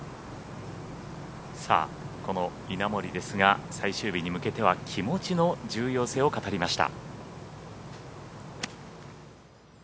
この稲森ですが最終日に向けては気持ちの重要性を語りました。